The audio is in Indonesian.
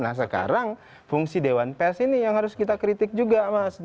nah sekarang fungsi dewan pers ini yang harus kita kritik juga mas